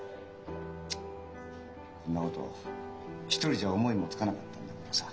こんなこと一人じゃ思いもつかなかったんだけどさ。